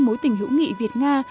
mối tình hữu nghị việt nga